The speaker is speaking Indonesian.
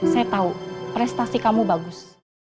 saya tahu prestasi kamu bagus